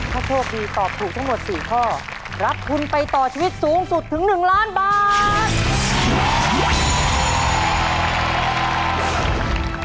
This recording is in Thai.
ถ้าโชคดีตอบถูกทั้งหมด๔ข้อรับทุนไปต่อชีวิตสูงสุดถึง๑ล้านบาท